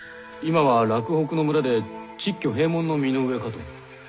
今は洛北の村で蟄居閉門の身の上かと。